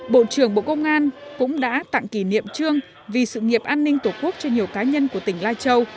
bộ trưởng bộ công an cũng đã tặng kỷ niệm trương vì sự nghiệp an ninh tổ quốc cho nhiều cá nhân của tỉnh lai châu